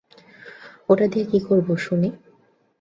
ওটা দিয়ে কী করবো শুনি?